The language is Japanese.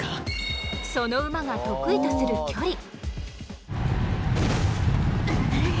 その馬が得意とする距離。